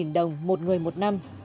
năm trăm linh đồng một người một năm